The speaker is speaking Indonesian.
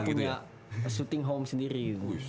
mau sudah punya syuting home sendiri